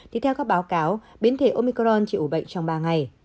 thì theo các báo cáo biến thể omicron chỉ ủ bệnh trong ba ngày